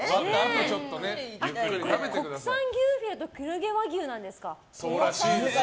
国産牛フィレと黒毛和牛なんですか。